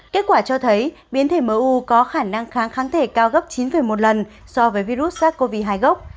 kết quả cho thấy biến thể mu có khả năng kháng kháng thể cao gấp chín một lần so với virus sars cov hai gốc